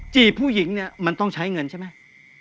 จีบผู้หญิงเนี่ยมันต้องใช้เงินใช่ไหม